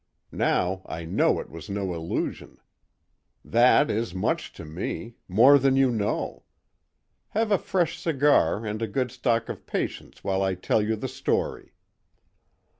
Now I know it was no illusion. That is much to me—more than you know. Have a fresh cigar and a good stock of patience while I tell you the story."